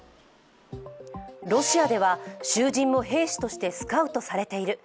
ロシアでは囚人も兵士としてスカウトされている。